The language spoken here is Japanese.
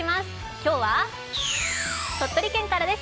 今日は鳥取県からです。